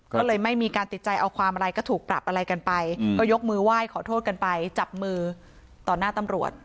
ก็เลยไม่มีการติดใจเอาความอะไรก็ถูกปรับอะไรกันไปก็ยกมือไหว้ขอโทษกันไปจับมือต่อหน้าตำรวจ